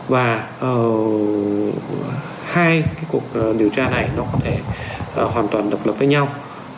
và hai cái cuộc điều tra này nó có thể hoàn toàn độc lập với nhau